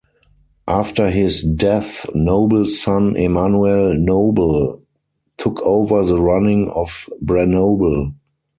After his death, Nobel's son Emanuel Nobel took over the running of Branobel.